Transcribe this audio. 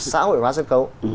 xã hội hóa sân khấu